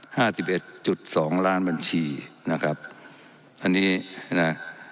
สิบเอ็ดจุดสองล้านบัญชีนะครับอันนี้นะ